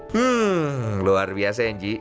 hmm luar biasa ya nji